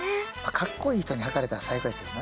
かっこいい人にはかれたら最高やけどな。